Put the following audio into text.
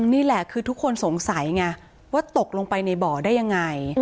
นี่แหละคือทุกคนสงสัยไงว่าตกลงไปในบ่อได้ยังไง